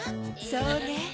そうね。